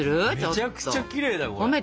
めちゃくちゃきれいだよこれ。